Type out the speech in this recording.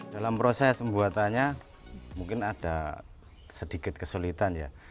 dalam proses pembuatannya mungkin ada sedikit kesulitan ya